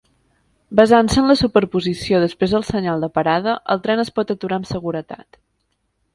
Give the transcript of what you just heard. Basant-se en la superposició després del senyal de parada, el tren es pot aturar amb seguretat.